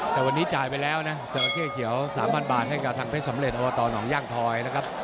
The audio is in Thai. แต่วันนี้จ่ายไปแล้วนะจราเข้เขียว๓๐๐บาทให้กับทางเพชรสำเร็จอบตหนองย่างทอยนะครับ